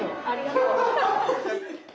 ありがとう。